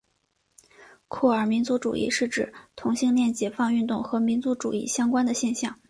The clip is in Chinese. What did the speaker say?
酷儿民族主义是指同性恋解放运动和民族主义相关的现象。